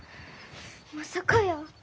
まさかやー。